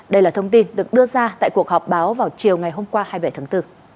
đây là thông tin được đưa ra tại cuộc họp báo vào chiều ngày hôm qua hai mươi bảy tháng bốn